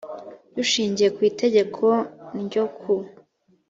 dushingiye ku itegeko n ryo ku